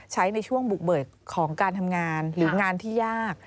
ใช้ในช่วงบุกเบิกของการทำงานหรืองานที่ยาก